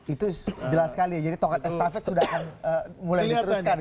itu jelas sekali jadi tongkat estafet sudah mulai diteruskan